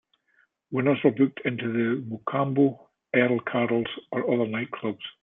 Winners were booked into the Mocambo, Earl Carroll's or other night clubs.